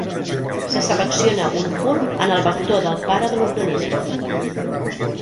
Se selecciona un punt en el vector del pare de l'organisme.